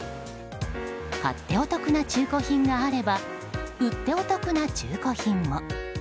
買ってお得な中古品があれば売ってお得な中古品も。